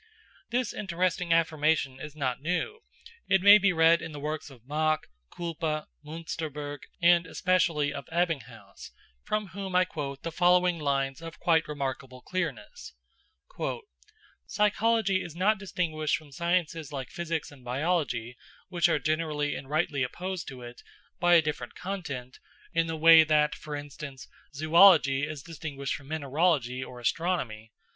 This interesting affirmation is not new: it may be read in the works of Mach, Külpe, Münsterberg, and, especially, of Ebbinghaus, from whom I quote the following lines of quite remarkable clearness: "Psychology is not distinguished from sciences like physics and biology, which are generally and rightly opposed to it, by a different content, in the way that, for instance, zoology is distinguished from mineralogy or astronomy.